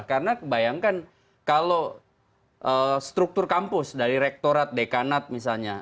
karena bayangkan kalau struktur kampus dari rektorat dekanat misalnya